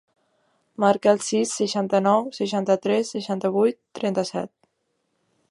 Marca el sis, seixanta-nou, seixanta-tres, seixanta-vuit, trenta-set.